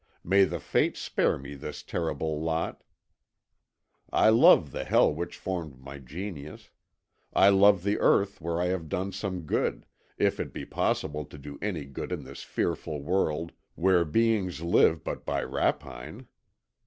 May the fates spare me this terrible lot; I love the Hell which formed my genius. I love the Earth where I have done some good, if it be possible to do any good in this fearful world where beings live but by rapine.